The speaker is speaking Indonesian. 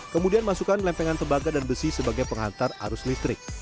kemudian masukkan lempengan tembaga dan besi sebagai pengantar arus listrik